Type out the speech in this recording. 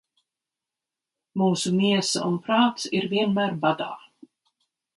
Mūsu miesa un prāts ir vienmēr badā.